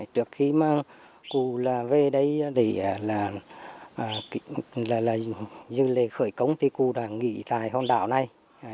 trước khi cố tổng bí thư về đây dư lê khởi công thì cố tổng bí thư đã nghỉ tại hòn đảo này